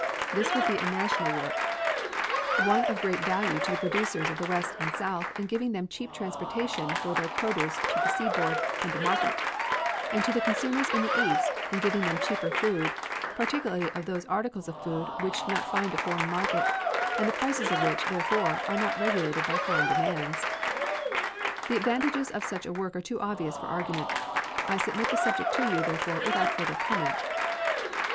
This would be a national work; one of great value to the producers of the West and South in giving them cheap transportation for their produce to the seaboard and a market, and to the consumers in the East in giving them cheaper food, particularly of those articles of food which do not find a foreign market, and the prices of which, therefore, are not regulated by foreign demands. The advantages of such a work are too obvious for argument. I submit the subject to you, therefore, without further comment.